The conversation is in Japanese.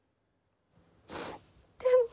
でも！